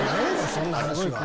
そんな話は。